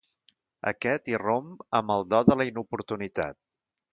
Aquest irromp amb el do de la inoportunitat.